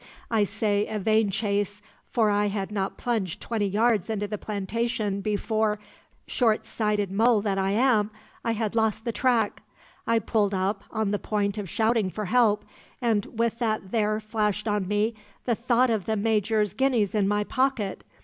I say a vain chase, for I had not plunged twenty yards into the plantation before short sighted mole that I am I had lost the track. I pulled up, on the point of shouting for help, and with that there flashed on me the thought of the Major's guineas in my pocket.